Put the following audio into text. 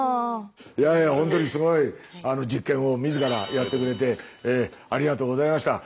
いやいやほんとにすごい実験を自らやってくれてありがとうございました。